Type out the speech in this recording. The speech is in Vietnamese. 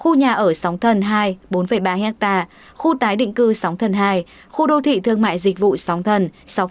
khu nhà ở sóng thần hai bốn ba hectare khu tái định cư sóng thần hai khu đô thị thương mại dịch vụ sóng thần sáu bốn